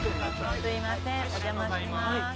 すいませんお邪魔します。